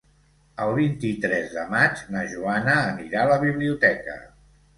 El vint-i-tres de maig na Joana anirà a la biblioteca.